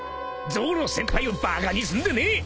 ［ゾロ先輩をバカにすんでねえ！］